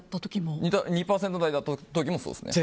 ２％台だった時もそうですね。